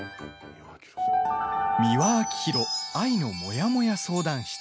「美輪明宏愛のモヤモヤ相談室」。